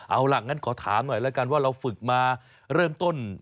เอาล่ะงั้นขอถามหน่อยแล้วกันว่าเราฝึกมาเริ่มต้น